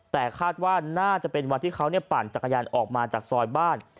แต่คาดว่าน่าจะเป็นวันที่เขาปั่นจักรยานออกมาจากซอยบ้าน